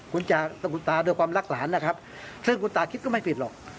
คุณตาโดยความรักหลานนะครับซึ่งคุณตาคิดก็ไม่ผิดหรอก